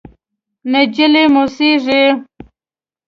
نجلۍ موسېږي…